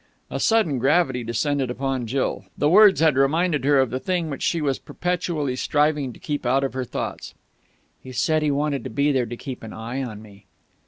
A sudden gravity descended upon Jill. The words had reminded her of the thing which she was perpetually striving to keep out of her thoughts. "He said he wanted to be there to keep an eye on me."